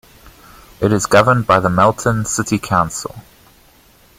It is governed by the Melton City Council.